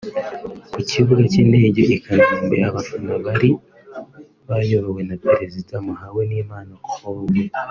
Ku kibuga cy’indege i Kanombe abafana bari bayobowe na perezida Muhawenimana Claude